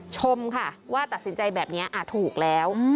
ชมค่ะว่าตัดสินใจแบบนี้ถูกแล้ว